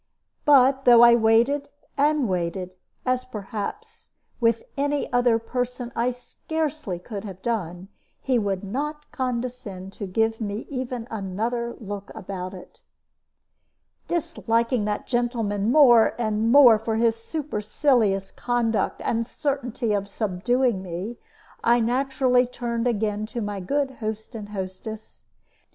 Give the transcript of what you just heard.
But, though I waited and waited, as, perhaps, with any other person I scarcely could have done, he would not condescend to give me even another look about it. Disliking that gentleman more and more for his supercilious conduct and certainty of subduing me, I naturally turned again to my good host and hostess.